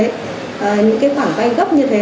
những khoản vay gấp như thế